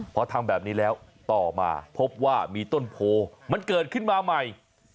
พอทำแบบนี้แล้วต่อมาพบว่ามีต้นโพมันเกิดขึ้นมาใหม่